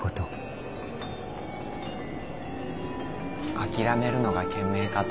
諦めるのが賢明かと。